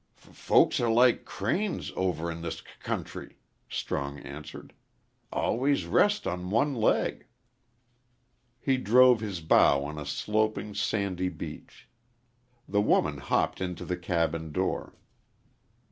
"F folks are like cranes over in this c country," Strong answered. "Always rest on one leg." He drove his bow on a sloping, sandy beach. The woman hopped into the cabin door.